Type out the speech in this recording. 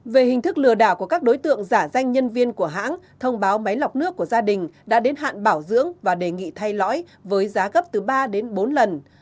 về hình thức lừa đảo của các đối tượng giả danh nhân viên của hãng thông báo máy lọc nước của gia đình đã đến hạn bảo dưỡng và đề nghị thay lõi với giá gấp từ ba đến bốn lần